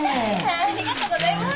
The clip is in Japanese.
ありがとうございます。